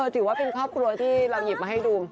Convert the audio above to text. ถือว่าเป็นครอบครัวที่เราหยิบมาให้ดู